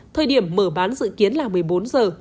sáu thời điểm mở bán dự kiến là một mươi bốn h